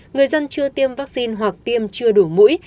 người dân chưa tiêm vaccine hoặc tiêm chưa đủ mũi